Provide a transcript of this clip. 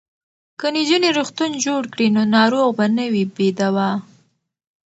که نجونې روغتون جوړ کړي نو ناروغ به نه وي بې دواه.